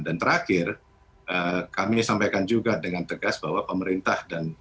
dan terakhir kami sampaikan juga dengan tegas bahwa pemerintah dan masyarakat